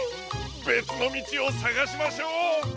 べつのみちをさがしましょう。